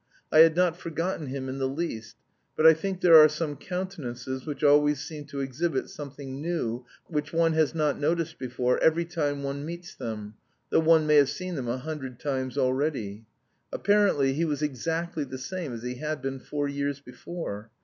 I had not forgotten him in the least. But I think there are some countenances which always seem to exhibit something new which one has not noticed before, every time one meets them, though one may have seen them a hundred times already. Apparently he was exactly the same as he had been four years before.